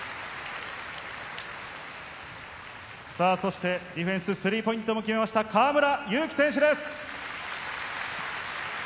そしてディフェンス、スリーポイントも決めました、河村勇輝選手です。